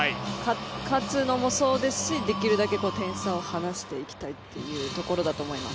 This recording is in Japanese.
勝つのもそうですしできるだけ点差を離していきたいっていうところだと思います。